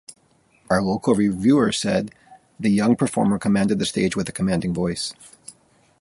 One local reviewer said, the young performer commanded the stage with a commanding voice.